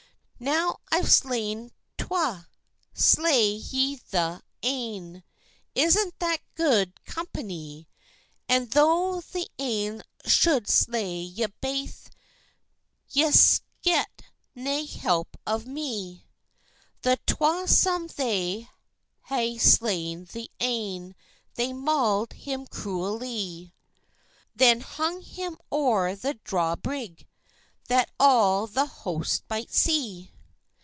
"Now, I've slayne twa; slay ye the ane; Isna that gude companye? And though the ane shou'd slay ye baith. Ye'se get nae help of me." The twa some they ha'e slayne the ane, They maul'd him cruellie; Then hung him over the draw brig, That all the host might see.